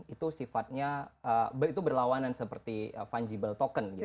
itu sifatnya berlawanan seperti fungible token